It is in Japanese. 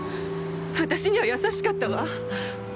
私には優しかったわ。